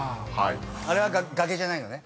あれは崖じゃないのね？